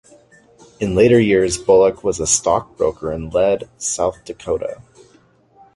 In later years Bullock was a stockbroker in Lead, South Dakota.